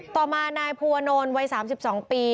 ต่อมานายภูวนล์วัย๓๒ปี